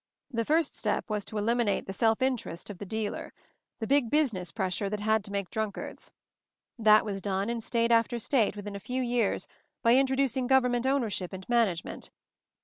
"The first step was to eliminate the self interest of the dealer — the big business pres sure that had to make drunkards. That was done in state after state, within a few years, by introducing government ownership and management.